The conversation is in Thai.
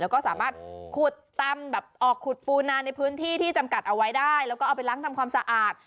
แล้วก็สามารถขุดตำแบบออกขุดปูนาในพื้นที่ที่จำกัดเอาไว้ได้แล้วก็เอาไปล้างทำความสะอาด